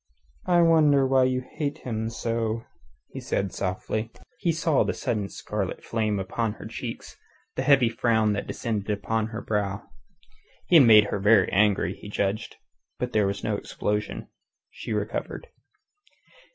"I wonder why you hate him so," he said softly. He saw the sudden scarlet flame upon her cheeks, the heavy frown that descended upon her brow. He had made her very angry, he judged. But there was no explosion. She recovered.